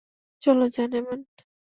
চলো, জানেমান।